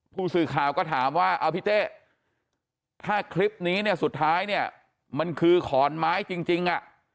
ผู้สื่อข่าวก็ถามว่าพี่เต้ถ้าคลิปนี้สุดท้ายมันคือขอนไม้จริง